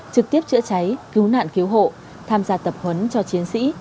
trực tiếp chữa cháy cứu nạn cứu hộ tham gia tập huấn cho chiến sĩ